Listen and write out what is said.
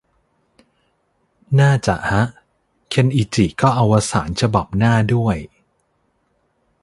น่าจะฮะ เคนอิจิก็อวสานฉบับหน้าด้วย